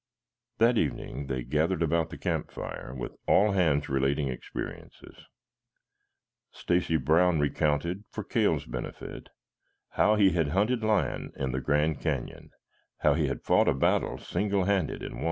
That evening they gathered about the campfire with all hands relating experiences. Stacy Brown recounted, for Cale's benefit, how he had hunted lion in the Grand Canyon; how he had fought a battle single handed and won.